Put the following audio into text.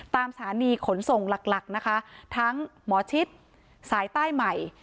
ตามสถานีขนส่งหลักหลักนะคะทั้งหมอชิดสายใต้ใหม่